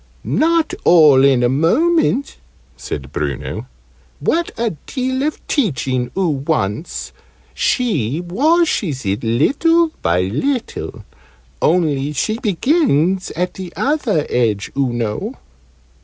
"Not all in a moment," said Bruno. "What a deal of teaching oo wants! She washes it little by little only she begins at the other edge, oo know."